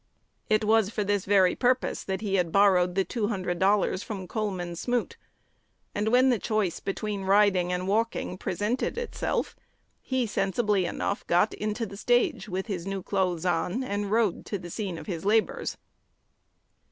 It was for this very purpose that he had borrowed the two hundred dollars from Coleman Smoot; and, when the choice between riding and walking presented itself, he sensibly enough got into the stage, with his new clothes on, and rode to the scene of his labors.